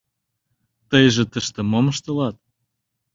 — Тыйже тыште мом ыштылат?